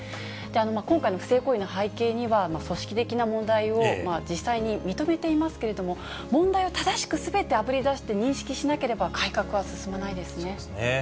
今回の不正行為の背景には、組織的な問題を実際に認めていますけれども、問題を正しくすべてあぶり出して認識しなければ、改革は進まないそうですね。